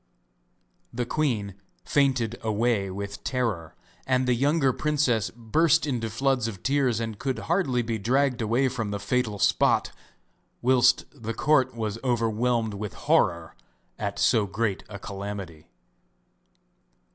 The queen fainted away with terror, and the younger princess burst into floods of tears and could hardly be dragged away from the fatal spot, whilst the court was overwhelmed with horror at so great a calamity.